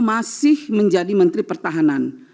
masih menjadi menteri pertahanan